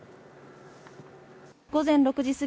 午前６時過ぎ